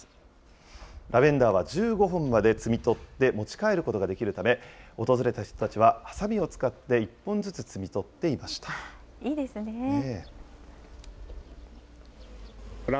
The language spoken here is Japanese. ラベンダーは１５本まで摘み取って持ち帰ることができるため、訪れた人たちは、はさみを使っていいですね。